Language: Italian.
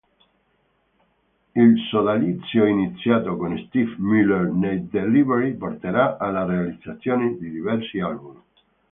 Il sodalizio iniziato con Steve Miller nei Delivery porterà alla realizzazione di diversi album.